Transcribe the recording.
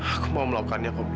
aku mau melakukannya kak fadil